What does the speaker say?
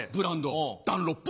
ダンロップ？